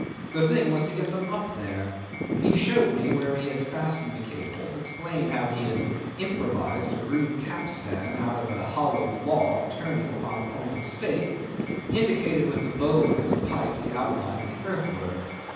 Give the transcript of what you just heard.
The thing was to get them up there. He showed me where he had fastened the cables, explained how he had improvised a rude capstan out of a hollowed log turning upon a pointed stake, indicated with the bowl of his pipe the outline of the earthwork.